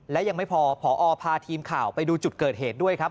และยังไม่พอผอพาทีมข่าวไปดูจุดเกิดเหตุด้วยครับ